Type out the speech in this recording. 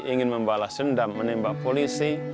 ingin membalas dendam menembak polisi